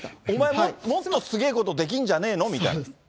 お前、もっとすげぇことできんじゃねぇのみたいな。